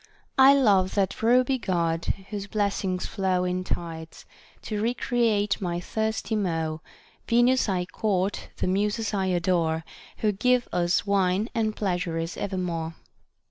— I love that ruby God, whose blessings flow In tides, to recreate my thirsty maw ; Venus I court, the Muses I adore, Who give us wine and pleasures evermore.